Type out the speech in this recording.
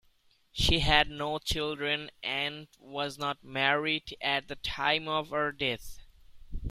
She had no children and was not married at the time of her death.